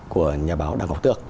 của nhà báo đăng ngọc tước